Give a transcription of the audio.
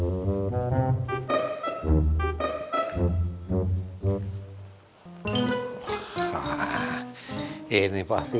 aku harus menguntukmu bobi